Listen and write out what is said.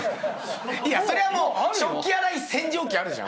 いやそれはもう食器洗い洗浄機あるじゃん。